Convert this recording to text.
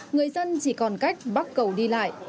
người dân chỉ còn cách bắt cầu đi lại